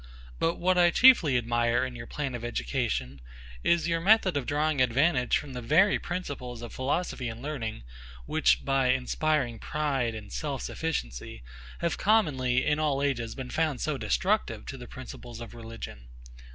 But what I chiefly admire in your plan of education, is your method of drawing advantage from the very principles of philosophy and learning, which, by inspiring pride and self sufficiency, have commonly, in all ages, been found so destructive to the principles of religion.